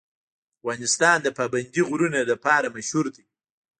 افغانستان د پابندی غرونه لپاره مشهور دی.